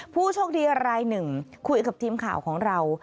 ผู้โชคดีอะไรหนึ่งคุยกับทีมข่าวของเรา